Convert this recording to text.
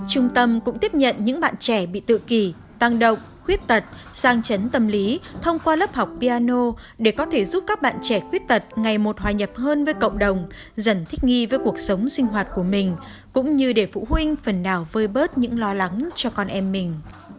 trung tâm cũng tiếp nhận những bạn trẻ bị tự kỳ tăng động khuyết tật sang chấn tâm lý thông qua lớp học piano để có thể giúp các bạn trẻ khuyết tật ngày một hòa nhập hơn với cộng đồng dần thích nghi với cuộc sống sinh hoạt của mình cũng như để phụ huynh phần nào vơi bớt những lo lắng cho con em mình